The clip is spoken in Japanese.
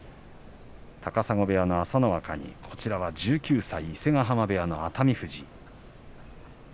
高砂部屋の朝乃若に１９歳、伊勢ヶ濱部屋の熱海富士。